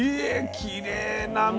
きれいな身。